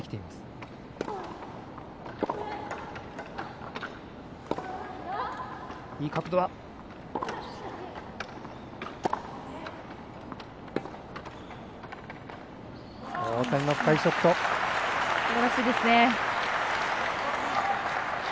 すばらしいですね。